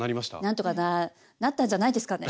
なんとかなったんじゃないですかね。